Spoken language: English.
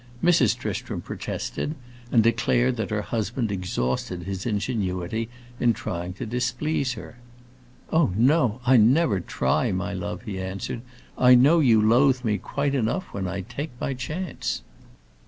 Mrs. Tristram protested, and declared that her husband exhausted his ingenuity in trying to displease her. "Oh no, I never try, my love," he answered. "I know you loathe me quite enough when I take my chance."